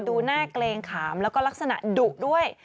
ดูหน้าเกรงขามแล้วก็ลักษณะดุด้วย